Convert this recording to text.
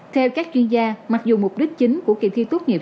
theo các chuyên gia mặc dù mục đích chính của kỳ thi tốt nghiệp